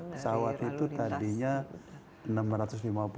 pesawat itu tadinya